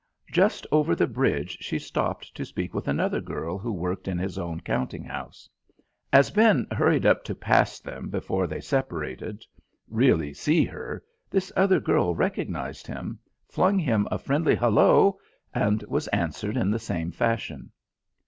Just over the bridge she stopped to speak with another girl who worked in his own counting house. As Ben hurried up to pass them before they separated, really see her, this other girl recognised him, flung him a friendly "Hullo!" and was answered in the same fashion.